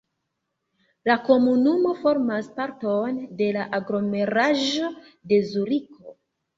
La komunumo formas parton de la aglomeraĵo de Zuriko.